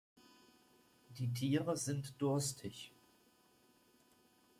Die Tiere sind durstig.